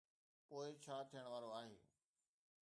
پوءِ ڇا ٿيڻ وارو آهي؟